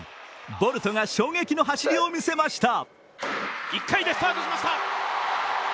ボルトが衝撃の走りを見せました。